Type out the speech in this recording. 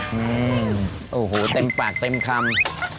นี่โอ้โหเต็มปากเต็มคำ